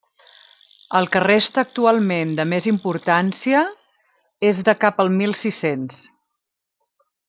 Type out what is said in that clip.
El que resta actualment de més importància és de cap al mil sis-cents.